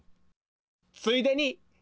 ついでに。